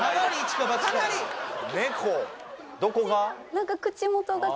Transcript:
どこが？